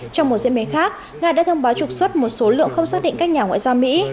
trong một diễn biến khác nga đã thông báo trục xuất một số lượng không xác định các nhà ngoại giao mỹ